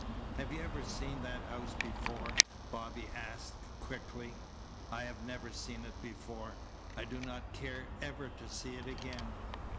"Have you ever seen that house before?" Bobby asked quickly. "I have never seen it before. I do not care ever to see it again."